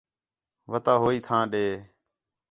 وَتا ہوئی تھاں ݙے